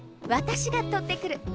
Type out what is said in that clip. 私が取ってくる。